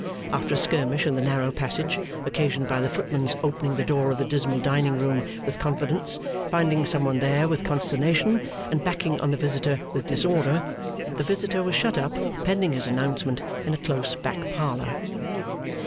After a skirmish in the narrow passage, occasioned by the footman's opening the door of the dismal dining room with confidence, finding some one there with consternation, and backing on the visitor with disorder, the visitor was shut up, pending his announcement, in a close back parlour.